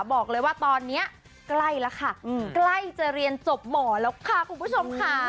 บอกเลยว่าตอนนี้ใกล้แล้วค่ะใกล้จะเรียนจบหมอแล้วค่ะคุณผู้ชมค่ะ